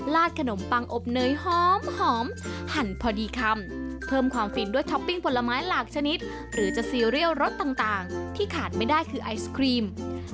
ขนมปังอบเนยหอมหั่นพอดีคำเพิ่มความฟินด้วยท็อปปิ้งผลไม้หลากชนิดหรือจะซีเรียลรสต่างที่ขาดไม่ได้คือไอศครีม